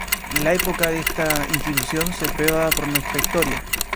La Época de esta institución se prueba por nuestra historia.